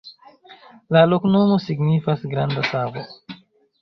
La loknomo signifas: granda savo.